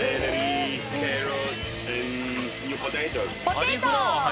ポテト！